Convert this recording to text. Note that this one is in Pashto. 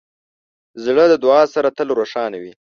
زړه د دعا سره تل روښانه وي.